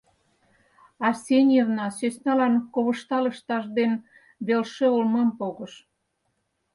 Арсеньевна сӧсналан ковышта лышташ ден велше олмам погыш.